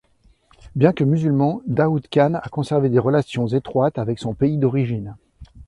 Bien que musulman, Daoud Khan a conservé des relations étroites avec son pays d’origine.